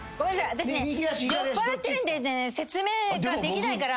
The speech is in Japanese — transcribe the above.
私ね酔っぱらってるんでね説明ができないから。